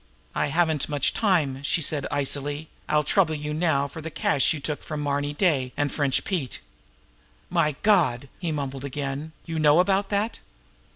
"I haven't much time," she said icily. "I'll trouble you now for the cash you took from Marny Day and French Pete." "My Gawd!" he mumbled again. "You know about that!"